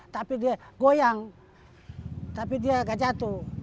tapi dia goyang tapi dia agak jatuh